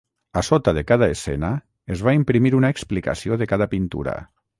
A sota de cada escena es va imprimir una explicació de cada pintura.